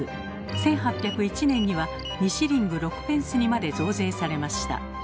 １８０１年には２シリング６ペンスにまで増税されました。